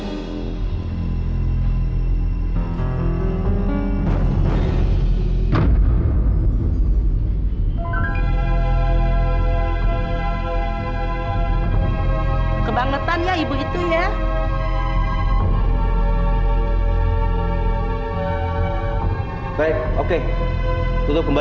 tuh sebenarnya rambang modalnya